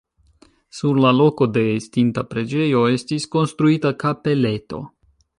Sur la loko de estinta preĝejo estis konstruita kapeleto.